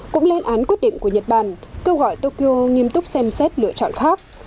cũng lên án quyết định của nhật bản kêu gọi tokyo nghiêm túc xem xét lựa chọn khác